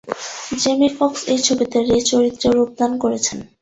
Jamie Foxx এ ছবিতে Ray চরিত্রে রূপদান করেছেন।